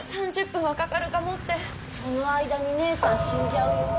３０分はかかるかもってその間に姉さん死んじゃうよ